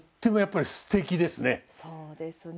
そうですね。